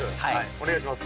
お願いします。